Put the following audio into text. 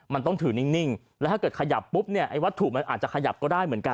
มันต้องถือนิ่งแล้วถ้าเกิดขยับปุ๊บเนี่ยไอ้วัตถุมันอาจจะขยับก็ได้เหมือนกัน